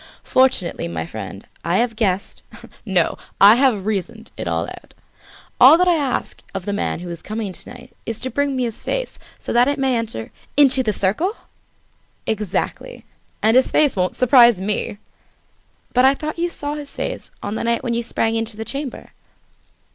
Fortunately, my friend, I have guessed, no, I have reasoned it all out. All that I ask of the man who is coming to night is to bring me his face, so that it may enter " "Into the circle?" "Exactly! And his face won't surprise me!" "But I thought you saw his face on the night when you sprang into the chamber?"